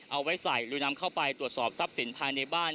เอาไว้ใส่ลุยน้ำเข้าไปตรวจสอบทรัพย์สินภายในบ้าน